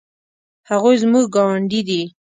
هغوی زموږ ګاونډي دي